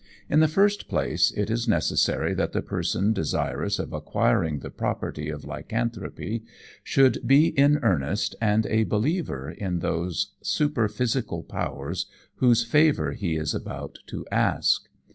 In the first place, it is necessary that the person desirous of acquiring the property of lycanthropy should be in earnest and a believer in those superphysical powers whose favour he is about to ask.